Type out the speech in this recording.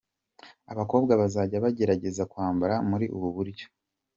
Abakobwa bazajya bagerageza kwambara muri ubu buryo.